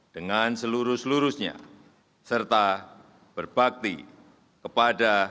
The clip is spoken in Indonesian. dengan seluruh seluruhnya serta berbakti kepada